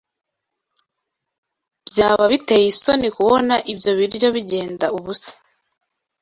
Byaba biteye isoni kubona ibyo biryo bigenda ubusa.